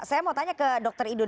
saya mau tanya ke dr idun